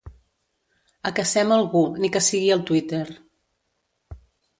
Acacem algú, ni que sigui al Twitter.